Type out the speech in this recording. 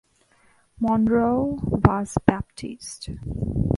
Monroe was Baptist.